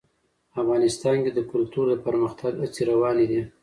افغانستان کې د کلتور د پرمختګ هڅې روانې دي.